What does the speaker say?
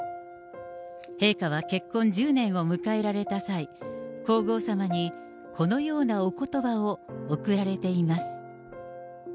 陛下は結婚１０年を迎えられた際、皇后さまにこのようなおことばを送られています。